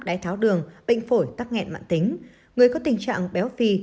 đáy tháo đường bệnh phổi tắc nghẹn mạn tính người có tình trạng béo phi